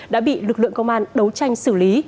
đã bị lực lượng công an đấu tranh xử lý